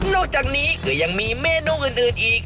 อกจากนี้ก็ยังมีเมนูอื่นอีก